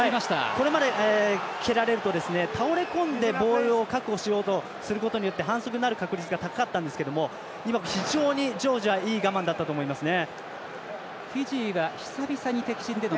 これまで蹴られると倒れ込んでボールを確保しようとすることによって反則になる確率が高かったんですが非常にジョージアは今いい我慢だったと思いますね。